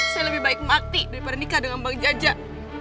saya lebih baik mati daripada nikah dengan bang jajak